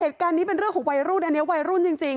เหตุการณ์นี้เป็นเรื่องของวัยรุ่นอันนี้วัยรุ่นจริง